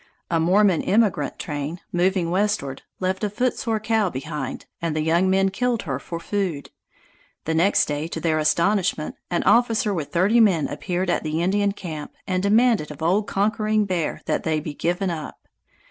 A Mormon emigrant train, moving westward, left a footsore cow behind, and the young men killed her for food. The next day, to their astonishment, an officer with thirty men appeared at the Indian camp and demanded of old Conquering Bear that they be given up.